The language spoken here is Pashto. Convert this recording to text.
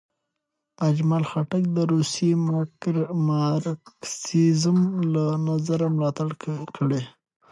اجمل خټک د روسي مارکسیزم له نظره ملاتړ کړی.